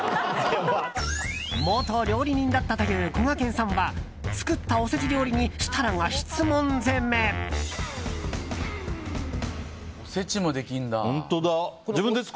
元料理人だったというこがけんさんは作ったおせち料理におせちもできるんだ。